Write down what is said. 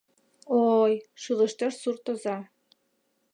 — О-ой, — шӱлештеш суртоза.